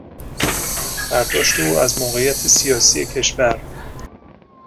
برداشت او از موقعیت سیاسی کشور